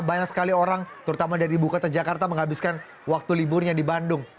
banyak sekali orang terutama dari ibu kota jakarta menghabiskan waktu liburnya di bandung